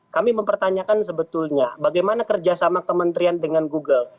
kami mempertanyakan sebetulnya bagaimana kerjasama kementerian dengan google